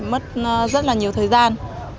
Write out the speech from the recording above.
mất rất là nhiều thời gian